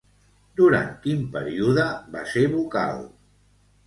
Durant quin període va ser vocal?